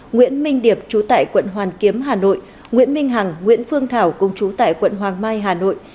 nguyễn minh điệp trú tại quận hoàn kiếm hà nội nguyễn minh hằng nguyễn phương thảo cũng trú tại quận hoàng mai hà nội